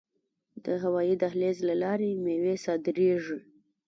د هوایی دهلیز له لارې میوې صادریږي.